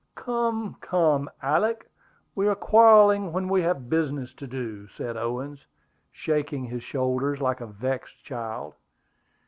"Come, come, Alick; we are quarrelling when we have business to do," said Owen, shaking his shoulders like a vexed child.